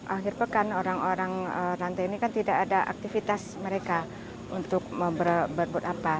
akhir pekan orang orang rantai ini kan tidak ada aktivitas mereka untuk berbuat apa